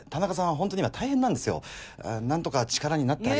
ホントに今大変なんですよ